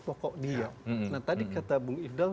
pokok dia nah tadi kata bung ifdal